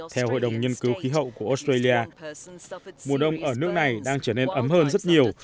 theo hội đồng nhiên cứu khí hậu của australia mùa đông ở nước này đang trở nên ấm hơn rất nhiều